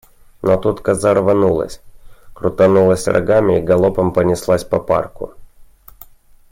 Но тут коза рванулась, крутанула рогами и галопом понеслась по парку.